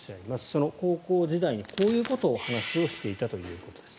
その高校時代にこういうことを話していたということです。